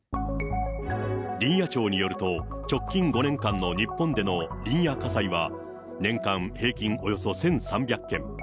林野庁によると、直近５年間の日本での林野火災は、年間平均およそ１３００件。